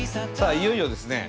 いよいよですね